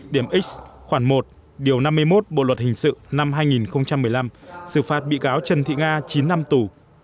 điểm x khoản một năm mươi một bộ luật hình sự năm hai nghìn một mươi năm xử phát bị cáo trần thị nga chín năm tù